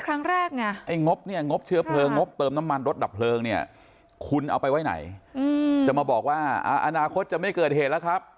คุณเอาไปไว้ไหนจะมาบอกว่าอนาคตจะไม่เกิดเหตุแล้วครับ